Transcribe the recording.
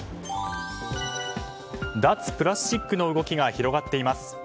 脱プラスチックの動きが広がっています。